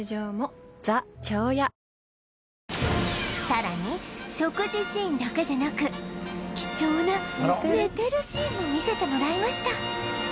さらに食事シーンだけでなく貴重な寝てるシーンも見せてもらいました